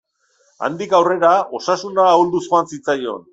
Handik aurrera osasuna ahulduz joan zitzaion.